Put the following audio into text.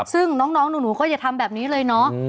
ซึ่งน้องหนูก็อย่าทำแบบนี้เลยเนาะ